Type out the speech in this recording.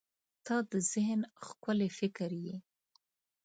• ته د ذهن ښکلي فکر یې.